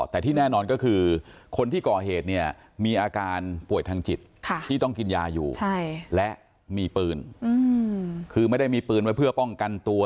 แต่ที่แน่นอนก็คือคนที่ก่อเหตุเนี่ยมีอาการป่วยทางจิตที่ต้องกินยาอยู่และมีปืนคือไม่ได้มีปืนไว้เพื่อป้องกันตัว